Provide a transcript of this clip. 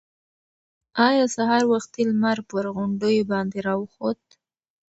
ایا سهار وختي لمر پر غونډیو باندې راوخوت؟